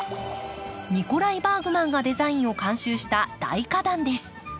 ニコライ・バーグマンがデザインを監修した大花壇です。